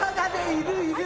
いるいる！